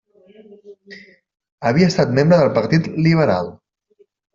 Havia estat membre del Partit Liberal.